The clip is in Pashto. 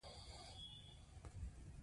تجارت وکړئ